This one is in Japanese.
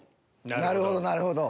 なるほどなるほど。